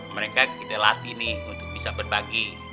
mereka kita latih nih untuk bisa berbagi